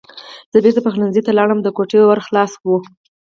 زه بېرته پخلنځي ته لاړم او د کوټې ور خلاص و